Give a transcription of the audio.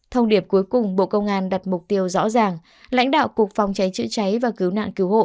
thông điệp cuối cùng bộ công an đặt mục tiêu rõ ràng lãnh đạo cục phòng cháy chữa cháy và cứu nạn cứu hộ